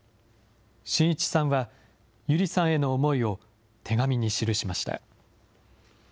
信一さんは友梨さんへの思いを手紙に記しました。